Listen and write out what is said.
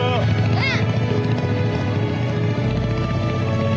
うん！